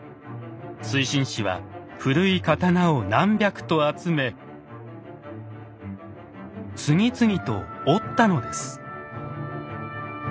水心子は古い刀を何百と集め次々と折ったのです。